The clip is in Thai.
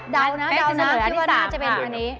ดาวน่าจะเป็นอันนี้